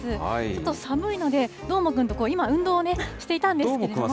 ちょっと寒いので、どーもくんと今、運動をしていたんですけども。